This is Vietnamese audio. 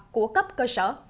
của cấp cơ sở